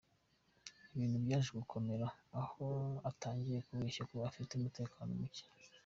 Ibintu byaje gukomera aho atangiye kubeshya ko afite umutekano mucye.